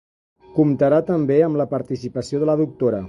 Comptarà també amb la participació de la doctora.